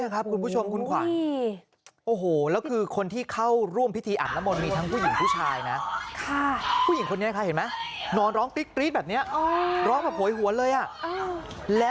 ขอบคุณค่ะ